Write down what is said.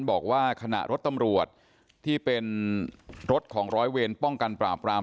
บอกว่าขณะรถตำรวจที่เป็นรถของร้อยเวรป้องกันปราบราม